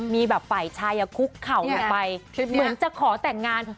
มีแบบฝ่ายชายคุกเข่าลงไปเหมือนจะขอแต่งงาน